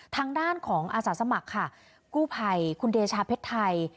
ทางด้านของอาสาสมัครค่ะกู้ภัยคุณเดชาเพชรไทย